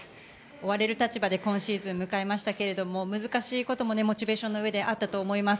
追われる立場で今シーズン迎えましたけれども難しいこともモチベーションのうえであったと思います。